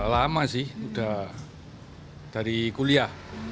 lama sih udah dari kuliah